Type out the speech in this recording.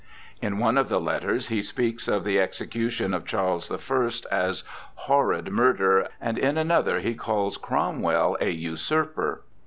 In one of the letters he speaks of the execution of Charles I as ' horrid murther ', and in another he calls Cromwell a usurper.